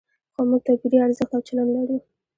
خو موږ توپیري ارزښت او چلند لرو.